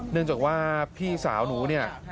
เนื่องจากว่าพี่สาวหนูเนี่ย